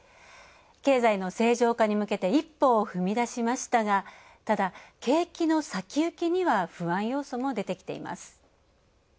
経済の正常化に向けて一歩を踏み出しましたがただ、景気の先行きには不安要素も出てきています。